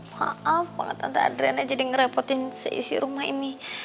maaf banget tante adriana jadi ngerepotin seisi rumah ini